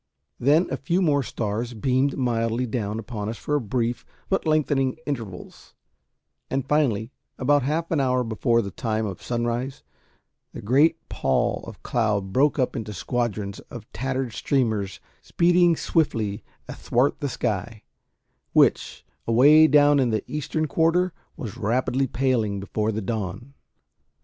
Then a few more stars beamed mildly down upon us for brief but lengthening intervals; and finally, about half an hour before the time of sunrise, the great pall of cloud broke up into squadrons of tattered streamers speeding swiftly athwart the sky, which, away down in the eastern quarter, was rapidly paling before the dawn.